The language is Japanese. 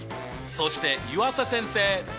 そして湯浅先生！